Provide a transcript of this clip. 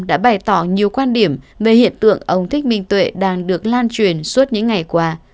đã bày tỏ nhiều quan điểm về hiện tượng ông thích minh tuệ đang được lan truyền suốt những ngày qua